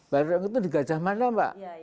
balai irung itu di gajah mana pak